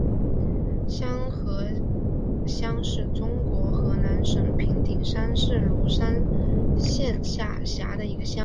瀼河乡是中国河南省平顶山市鲁山县下辖的一个乡。